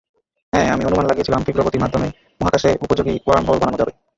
হ্যাঁ, আমি অনুমান লাগিয়েছিলাম তীব্র গতির মাধ্যমে, মহাকাশে উপযোগী ওয়ার্মহোল বানানো যাবে।